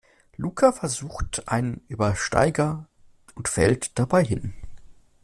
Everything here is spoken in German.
Luca versucht einen Übersteiger und fällt dabei hin.